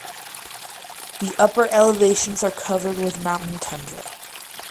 The upper elevations are covered with mountain tundra.